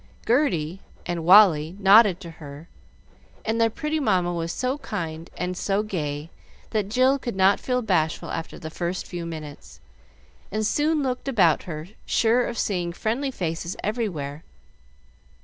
Gerty and Wally nodded to her, and their pretty mamma was so kind and so gay, that Jill could not feel bashful after the first few minutes, and soon looked about her, sure of seeing friendly faces everywhere.